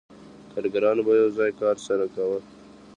کارګرانو به یو ځای کار سره کاوه